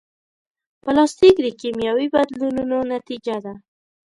پلاستيک د کیمیاوي بدلونونو نتیجه ده.